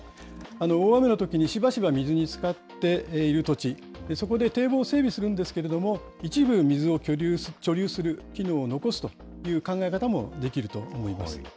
大雨のときにしばしば水につかっている土地、そこで堤防を整備するんですけれども、一部水を貯留する機能を残すという考え方もできると思います。